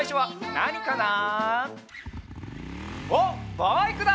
バイクだ！